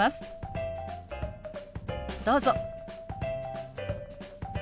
どうぞ。